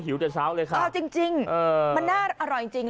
หิวแต่เช้าเลยค่ะเออจริงจริงเออมันน่าอร่อยจริงจริง